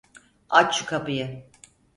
Aç şu kapıyı!